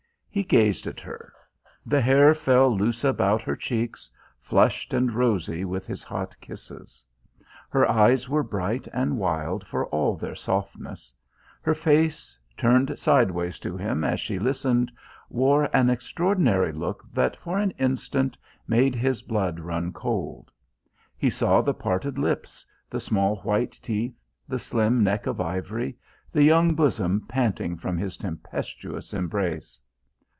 He gazed at her. The hair fell loose about her cheeks, flushed and rosy with his hot kisses. Her eyes were bright and wild for all their softness. Her face, turned sideways to him as she listened, wore an extraordinary look that for an instant made his blood run cold. He saw the parted lips, the small white teeth, the slim neck of ivory, the young bosom panting from his tempestuous embrace.